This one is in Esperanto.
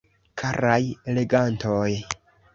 Karaj legantoj!